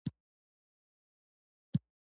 ، چې ولې دې محفوظ وواژه؟